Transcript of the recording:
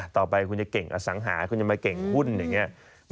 ต่อไปคุณจะเก่งอสังหาคุณจะมาเก่งหุ้นอย่างนี้